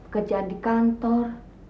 kerja di kantor